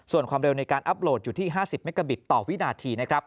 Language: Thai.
ส่วนความเร็วในการอัพโหลดอยู่ที่๕๐เมกาบิตต่อวินาทีนะครับ